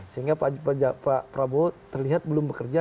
sehingga pak prabowo terlihat belum bekerja